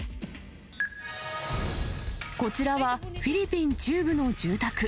こちらは、フィリピン中部の住宅。